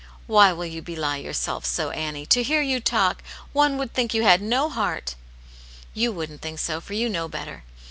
" Why will you belie yourself so, Annie ? To hear you talk, one would think you had no heart." " You wouldn't think so, for you know better.